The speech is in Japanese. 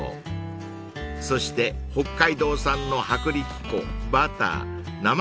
［そして北海道産の薄力粉バター生クリームを使い］